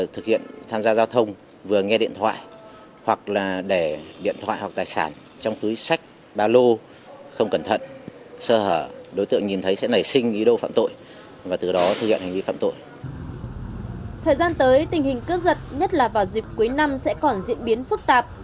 thời gian tới tình hình cướp giật nhất là vào dịp cuối năm sẽ còn diễn biến phức tạp